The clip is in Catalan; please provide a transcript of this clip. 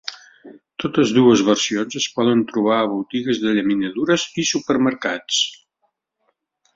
Totes dues versions es poden trobar a botigues de llaminadures i supermercats.